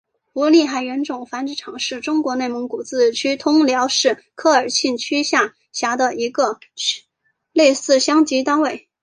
胡力海原种繁殖场是中国内蒙古自治区通辽市科尔沁区下辖的一个类似乡级单位。